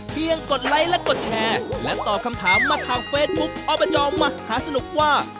กดไลค์และกดแชร์และตอบคำถามมาทางเฟซบุ๊คอบจมหาสนุกว่า